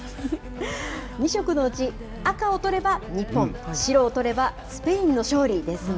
２色のうち赤を取れば日本、白を取ればスペインの勝利ですが。